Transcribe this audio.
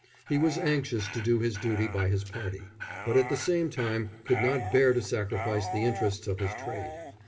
He was anxious to do his duty by his party, but at the same time could not bear to sacrifice the interests of his trade.